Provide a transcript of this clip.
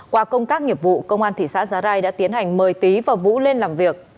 qua công tác nghiệp vụ công an thị xã giá rai đã tiến hành mời tý và vũ lên làm việc